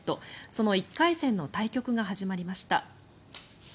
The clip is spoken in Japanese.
その１回戦の対局が始まりました。